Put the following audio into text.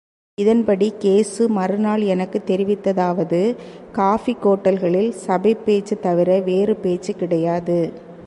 இதன்படி கேசு மறுநாள் எனக்குத் தெரிவித்ததாவது காபி ஹோட்டல்களில் சபைப் பேச்சு தவிர வேறு பேச்சு கிடையாது!